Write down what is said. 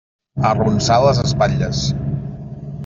Arronsà les espatlles.